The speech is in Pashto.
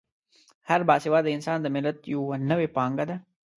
هر با سواده انسان د ملت یوه نوې پانګه ده.